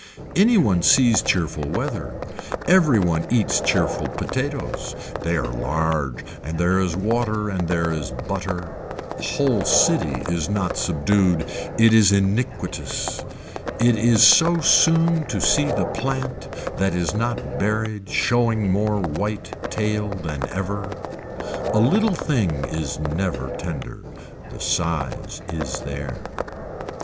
Any one sees cheerful weather, every one eats cheerful potatoes, they are large and there is water and there is butter, a whole city is not subdued it is iniquitous, it is so soon to see the plant that is not buried showing more white tail than ever. A little thing is never tender. The size is there.